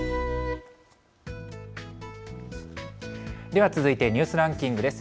では続いてニュースランキングです。